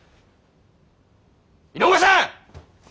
井上さん！